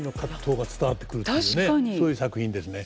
そういう作品ですね。